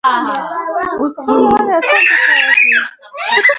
د تودوخې د وهلو لپاره د تخم شربت وڅښئ